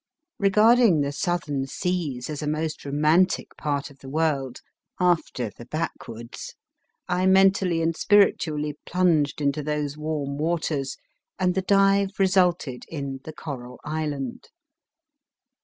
Regarding the Southern seas as a most romantic part of the world after the back woods ! I mentally and spiritually plunged into those warm waters, and the dive resulted in the Coral Island.